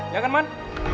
ya kan man